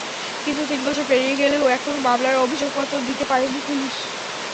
কিন্তু তিন বছর পেরিয়ে গেলেও এখনো মামলার অভিযোগপত্র দিতে পারেনি পুলিশ।